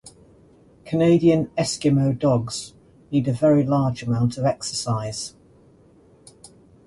Canadian Eskimo Dogs need a very large amount of exercise.